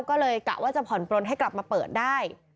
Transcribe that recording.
ก็เลยกะว่าจะผ่อนปลนให้กลับมาเปิดได้